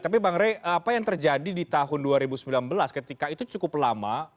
tapi bang rey apa yang terjadi di tahun dua ribu sembilan belas ketika itu cukup lama